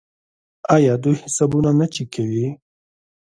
آیا دوی حسابونه نه چک کوي؟